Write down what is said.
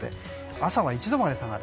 朝は１度まで下がる。